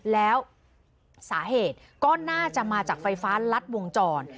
แล้วสาเหตุก็น่าจะมาจากไฟฟ้ารัดวงจร